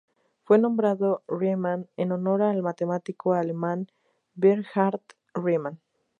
Fue nombrado Riemann en honor al matemático alemán Bernhard Riemann.